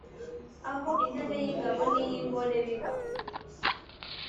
aho intare y’ingabo n’iy’ingore biba